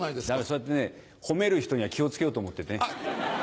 そうやってね褒める人には気を付けようと思っててね。